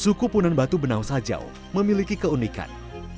suku punan batu benausajau memiliki keunikan